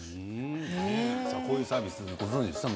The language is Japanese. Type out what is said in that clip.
こういうサービスご存じでしたか？